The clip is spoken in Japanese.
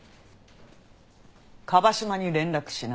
椛島に連絡しな。